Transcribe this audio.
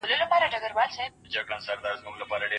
هغه په خپله شاعرۍ کې د وخت د جبر انځورګري کړې ده.